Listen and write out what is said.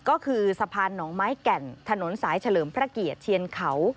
ก็คือสะพานหนองไม้แก่นถนนสายเฉลิมพระเกียรติเชียนเขา